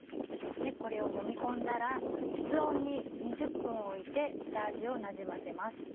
これをもみ込んだら室温に２０分置いて下味をなじませます。